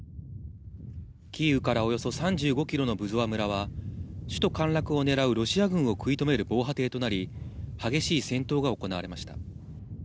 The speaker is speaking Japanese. キーウからおよそ３５キロのブゾワ村は首都陥落をねらうロシア軍を食い止める防波堤となり、激しい戦闘が行われました。